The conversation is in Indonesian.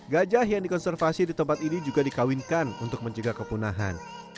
gajah yang dikonservasi di tempat ini juga dikawinkan untuk menjaga kepunahan